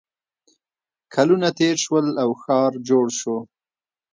کلونه تېر شول او ښار جوړ شو